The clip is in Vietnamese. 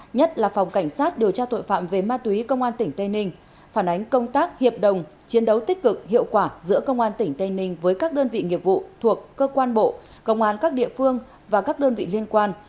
nhất là phòng cảnh sát điều tra tội phạm về ma túy công an tp hcm phản ánh công tác hiệp đồng chiến đấu tích cực hiệu quả giữa công an tp hcm với các đơn vị nghiệp vụ thuộc cơ quan bộ công an các địa phương và các đơn vị liên quan